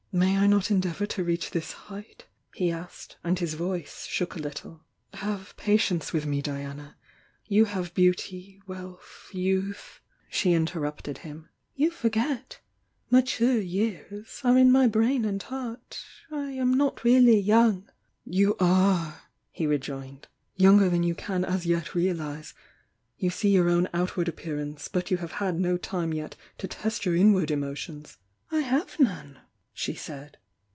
"May I not endeavour to reach this height?" he asked, and his voice shook a little. "Have patience ^outh ™^'""^"^^^^^ "^^^^y 'health, She interrupted him. ho3^" Z*"'^*' 'M"'"^ years' are in my brain and Heart, — I am not really young." "You are," he rejoined "Younger than you can aa yet reahse. You see your own outward appear ance, but you have had no time yet to test your in ward emotions " j »« "i "I have none!" she said.